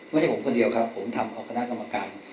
ไม่ใช่ผมคนเดียวครับผมทำเอาคณะกรรมการ